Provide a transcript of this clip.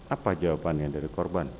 apa jawabannya dari korban